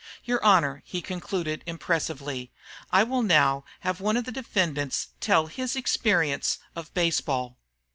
"Your Honor," he concluded, impressively, "I will now have one of the defendants tell his experience of baseball."